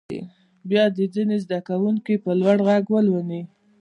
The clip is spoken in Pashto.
بیا دې ځینې زده کوونکي په لوړ غږ ولولي.